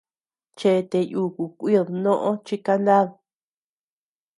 Chete yuku kuid noʼö chi kanad.